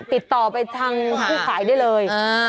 ติดต่อไปทางผู้ขายได้เลย